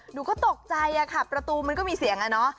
หนูก็ตกใจค่ะประตูมันก็มีเสียงอะเนาะ